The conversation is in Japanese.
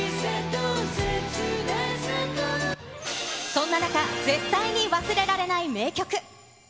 そんな中、絶対に忘れられない名曲。